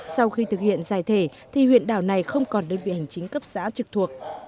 sau khi thực hiện giải thể thì huyện đảo này không còn đơn vị hành chính cấp xã trực thuộc